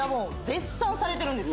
絶賛されてるんです